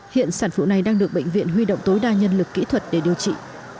hiện sản phụ này đang được bệnh viện huy động tối đa nhân lực kỹ thuật để điều trị